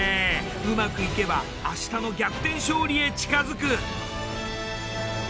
うまくいけば明日の逆転勝利へ近づく！